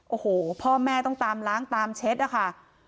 โอ้โหพ่อแม่ต้องตามล้างตามเช็ดอะค่ะ